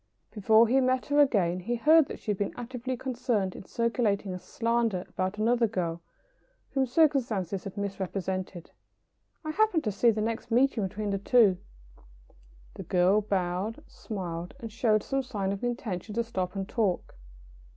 Before he met her again he heard that she had been actively concerned in circulating a slander about another girl whom circumstances had misrepresented. I happened to see the next meeting between the two. [Sidenote: Engineering an awkward point.] The girl bowed, smiled, and showed some sign of an intention to stop and talk.